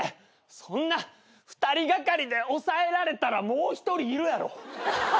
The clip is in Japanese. そんな２人がかりで押さえられたらもう１人いるやろ。